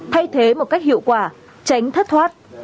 thay thế một cách hiệu quả tránh thất thoát